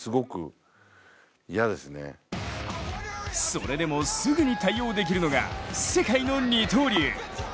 それでもすぐに対応できるのが世界の二刀流。